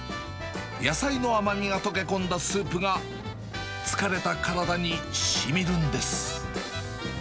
野菜の甘みが溶け込んだスープが、疲れた体にしみるんです。